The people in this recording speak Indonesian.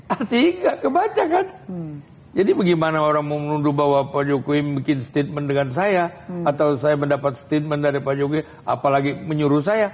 artinya kebaca kan jadi bagaimana orang mau menuduh bahwa pak jokowi bikin statement dengan saya atau saya mendapat statement dari pak jokowi apalagi menyuruh saya